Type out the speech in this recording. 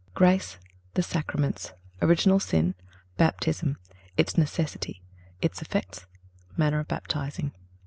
GRACE—THE SACRAMENTS—ORIGINAL SIN—BAPTISM—ITS NECESSITY—ITS EFFECTS—MANNER OF BAPTIZING.